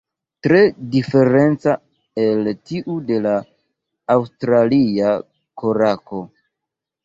Tre diferenca el tiu de la Aŭstralia korako.